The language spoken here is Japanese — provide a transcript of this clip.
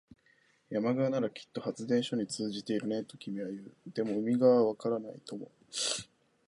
山側ならきっと発電所に通じているね、と君は言う。でも、海側はわからないとも。